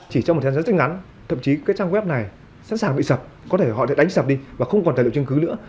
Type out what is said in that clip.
chỉ trong một thời gian rất ngắn thậm chí cái trang web này sẵn sàng bị sập có thể họ sẽ đánh sập đi và không còn tài liệu chứng cứ nữa